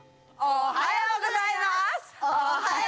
おはようございます！